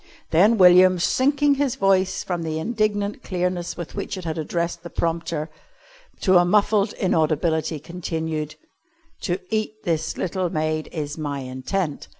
Then William, sinking his voice from the indignant clearness with which it had addressed the prompter, to a muffled inaudibility, continued: "To eat this little maid is my intent."